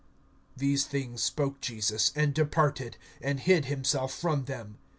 These things spoke Jesus, and departed, and hid himself from them.